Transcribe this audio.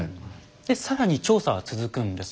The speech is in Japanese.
で更に調査は続くんです。